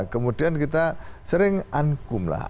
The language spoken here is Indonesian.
kemudian kita sering angum lah